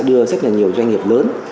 đưa rất là nhiều doanh nghiệp lớn